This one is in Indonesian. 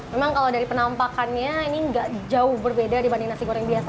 memang kalau dari penampakannya ini nggak jauh berbeda dibanding nasi goreng biasa